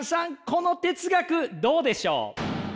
この哲学どうでしょう？